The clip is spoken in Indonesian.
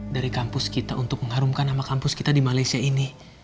dari kampus kita untuk mengharumkan nama kampus kita di malaysia ini